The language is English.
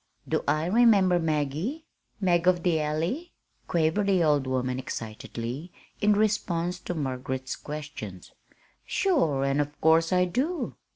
"Do I remember 'Maggie'? 'Mag of the Alley'?" quavered the old woman excitedly in response to Margaret's questions. "Sure, an' of course I do!